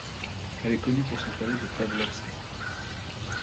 Elle est connue pour son palais de Pavlovsk.